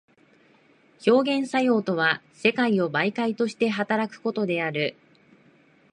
表現作用とは世界を媒介として働くことである。